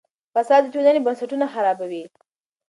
فساد د ټولنې بنسټونه خرابوي.